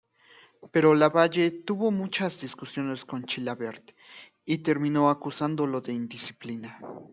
Pero Lavalle tuvo muchas discusiones con Chilavert, y terminó acusándolo de indisciplina.